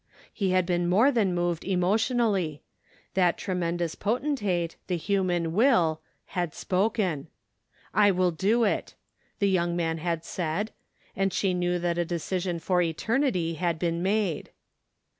He had been more than moved emo¬ tionally ; that tremendous potentate — the human will — had spoken. " I will do it," the young man had said, and she knew that a decision for eternity had been made.